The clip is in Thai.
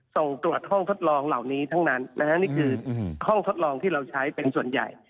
ส่งตรวจห้องทดลองเหล่านี้ทั้งนั้นนะฮะนี่คือห้องทดลองที่เราใช้เป็นส่วนใหญ่